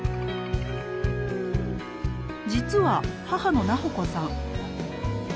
実は母の菜穂子さん